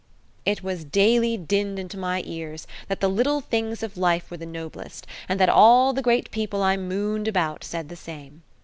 It was daily dinned into my cars that the little things of life were the noblest, and that all the great people I mooned about said the same.